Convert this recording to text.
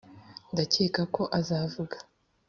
ndakeka ko uzavuga